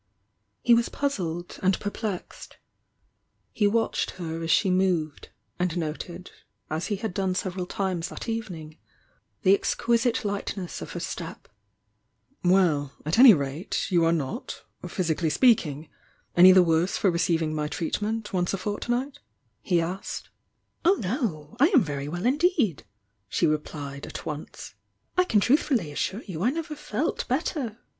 He was puzzled and perplexed. He watched her as she moved, and noted, as he had done several times that evening, the exquisite lightness of her step. "Well, at any rate, you are not, physically speak ing, any the worse for receiving my treatment once a fortnight?" he asked. "Oh, no! I am very well indeed!" she replied at once. "I can truthfully assure you I never felt better.